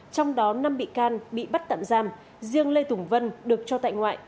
trong đó năm bị can bị bắt tạm giam riêng lê tùng vân được cho tại ngoại